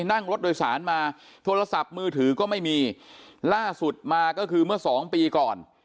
นั่งรถโดยสารมาโทรศัพท์มือถือก็ไม่มีล่าสุดมาก็คือเมื่อสองปีก่อน